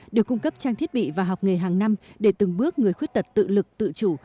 được cung cấp trang thiết bị và học nghề hàng năm để từng bước người khuyết tật tự lực tự chủ